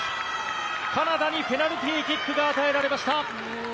カナダにペナルティーキックが与えられました。